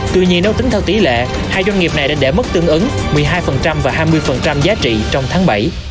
tuy nhiên nếu tính theo tỷ lệ hai doanh nghiệp này đã để mất tương ứng một mươi hai và hai mươi giá trị trong tháng bảy